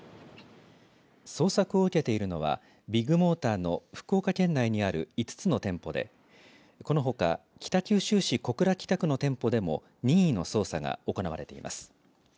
捜索を受けているのはビッグモーターの福岡県内にある５つの店舗でこのほか北九州市小倉北区の店舗でも任意の捜査が行われています。